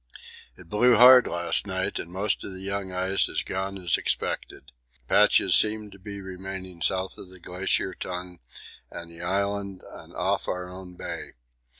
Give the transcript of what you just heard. It blew hard last night and most of the young ice has gone as expected. Patches seem to be remaining south of the Glacier Tongue and the Island and off our own bay.